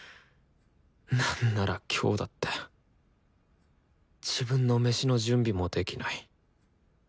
なんなら今日だって自分のメシの準備もできない。